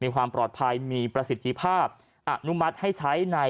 มีความปลอดภัยมีประสิทธิภาพอนุมัติให้ใช้ใน